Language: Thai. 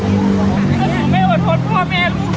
ก็จะเอามากับพวกเราอีก